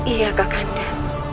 iya kak kanda